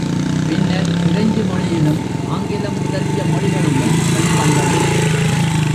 பின்னர் பிரெஞ்சு மொழியிலும், ஆங்கிலம் முதலிய மொழிகளிலும் வெளி வந்தது.